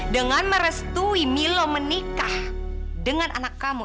dengan merestui milo menikah dengan anak kamu